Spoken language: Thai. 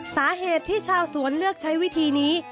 สาเหตุที่ชาวสวนเลือกใช้วิธีนี้